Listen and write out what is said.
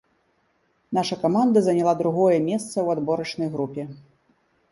Наша каманда заняла другое месца ў адборачнай групе.